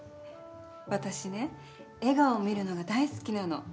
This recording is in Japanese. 私ね、笑顔を見るのが大好きなの。